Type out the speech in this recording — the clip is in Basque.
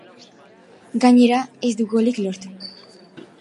Gainera, ez du golik lortu.